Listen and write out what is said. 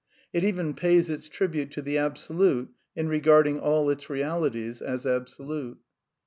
It even pays its tribute to the Absolute in regarding all its realities as absolute.